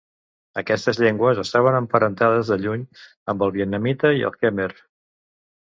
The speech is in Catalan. Aquestes llengües est troben emparentades de lluny amb el vietnamita i el khmer.